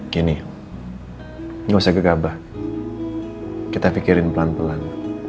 gini gak usah gegabah kita pikirin pelan pelan